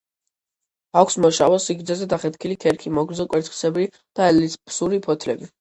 აქვს მოშავო, სიგრძეზე დახეთქილი ქერქი, მოგრძო კვერცხისებრი ან ელიფსური ფოთლები.